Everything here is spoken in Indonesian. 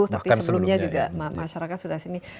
tapi sebelumnya juga masyarakat sudah sini